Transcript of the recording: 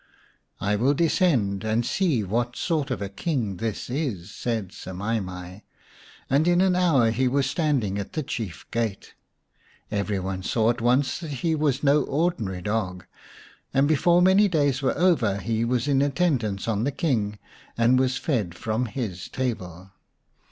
" 1 will descend and see what sort of a King 172 xv The Story of Semai mai this is," said Semai mai, and in an hour he was standing at the chief gate. Every one saw at once that he was no ordinary dog, and before many days were over he was in attendance on the King and was fed from his table.